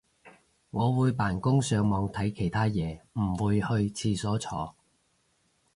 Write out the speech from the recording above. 我會扮工上網睇其他嘢唔會去廁所坐